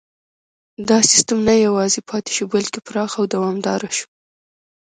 دا سیستم نه یوازې پاتې شو بلکې پراخ او دوامداره شو.